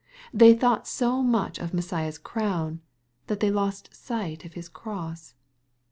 They thought so much of Messiah's crown, that they lost sight of His cross.